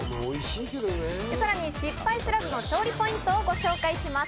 さらに失敗知らずの調理ポイントをご紹介します。